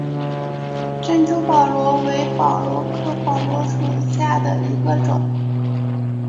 珍珠宝螺为宝螺科宝螺属下的一个种。